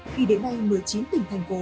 khi đến nay một mươi chín tỉnh thành phố